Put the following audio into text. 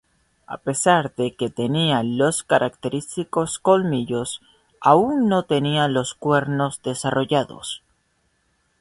A pesar de que tenía los característicos colmillos, aún no tenía los cuernos desarrollados.